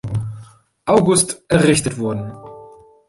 August errichtet wurden.